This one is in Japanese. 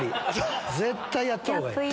絶対やったほうがいい。